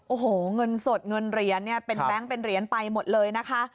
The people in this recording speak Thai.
โอ้โฮเงินสดเงินเฮียนเป็นแปงเป็นเหรียญไปหมดเลยนะคะ